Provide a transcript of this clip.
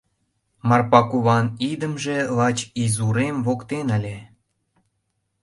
Марпа куван идымже лач изурем воктен ыле.